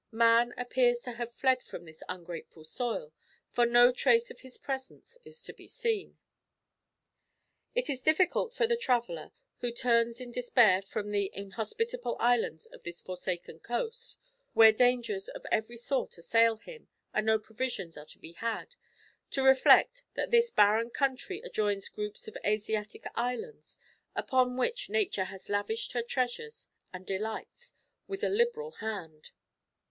Man appears to have fled from this ungrateful soil, for no trace of his presence is to be seen." It is difficult for the traveller, who turns in despair from the inhospitable islands of this forsaken coast, where dangers of every sort assail him, and no provisions are to be had, to reflect that this barren country adjoins groups of Asiatic islands upon which nature has lavished her treasures and delights with a liberal hand.